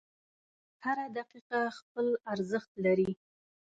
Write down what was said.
• هره دقیقه خپل ارزښت لري.